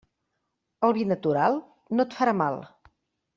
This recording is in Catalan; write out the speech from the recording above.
El vi natural no et farà mal.